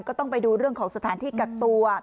ก็ต้องไปดูเรื่องของสถานที่กักตัว